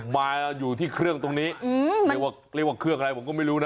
มาอยู่ที่เครื่องตรงนี้เรียกว่าเรียกว่าเครื่องอะไรผมก็ไม่รู้นะ